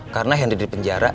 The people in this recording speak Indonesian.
karena henry di penjara